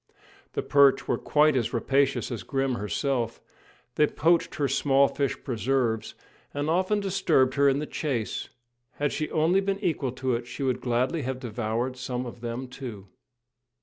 The perch were quite as rapacious as Grim herself; they poached upon her small fish preserves, and often disturbed her in the chase. Had she only been equal to it, she would gladly have devoured some of them, too.